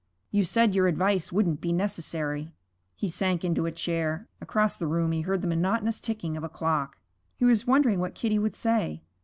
'You said your advice wouldn't be necessary.' He sank into a chair. Across the room he heard the monotonous ticking of a clock. He was wondering what Kitty would say.